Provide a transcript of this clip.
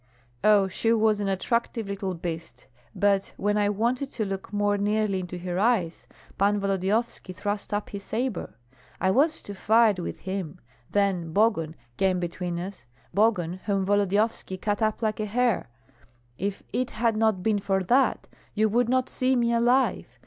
Oh, she was an attractive little beast! But when I wanted to look more nearly into her eyes, Pan Volodyovski thrust up his sabre. I was to fight with him; then Bogun came between us, Bogun, whom Volodyovski cut up like a hare. If it had not been for that, you would not see me alive.